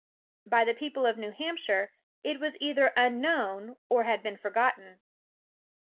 By the people of New Hampshire, it was either unknown, or had been forgotten.